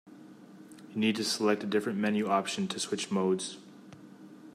You need to select a different menu option to switch modes.